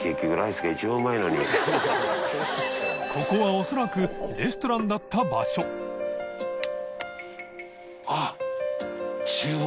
おそらくレストランだった場所飯尾）